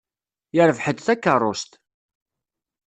Yerbeḥ-d takeṛṛust.